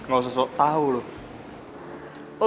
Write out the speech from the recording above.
gak usah sok tau lo